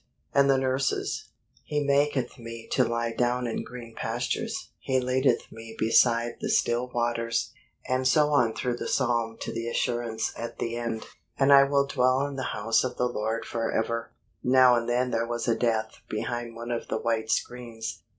And the nurses: "He maketh me to lie down in green pastures: he leadeth me beside the still waters." And so on through the psalm to the assurance at the end, "And I will dwell in the house of the Lord forever." Now and then there was a death behind one of the white screens.